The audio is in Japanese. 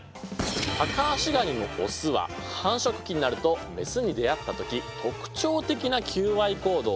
タカアシガニのオスは繁殖期になるとメスに出会った時特徴的な求愛行動をとります。